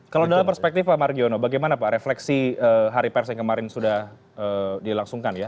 kalau dalam perspektif pak margiono bagaimana pak refleksi hari pers yang kemarin sudah dilangsungkan ya